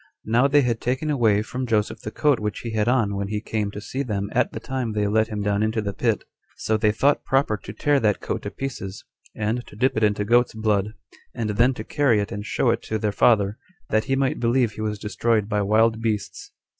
Now they had taken away from Joseph the coat which he had on when he came to them at the time they let him down into the pit; so they thought proper to tear that coat to pieces, and to dip it into goats' blood, and then to carry it and show it to their father, that he might believe he was destroyed by wild beasts.